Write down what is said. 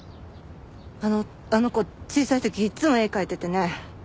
あの子小さい時いっつも絵描いててね。